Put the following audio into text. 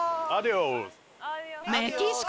メキシコ？